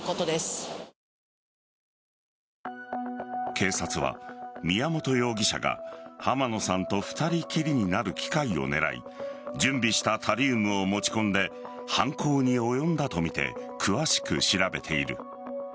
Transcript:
警察は宮本容疑者が濱野さんと２人きりになる機会を狙い準備したタリウムを持ち込んで犯行に及んだとみて詳しく調べている。